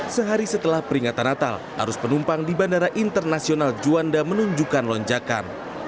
sehari setelah peringatan natal arus penumpang di bandara internasional juanda menunjukkan lonjakan